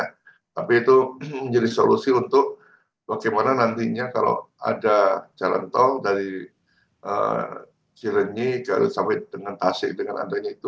tapi itu menjadi solusi untuk bagaimana nantinya kalau ada jalan tol dari cirenyi sampai dengan tasik dengan adanya itu